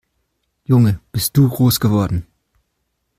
Junge, bist du groß geworden!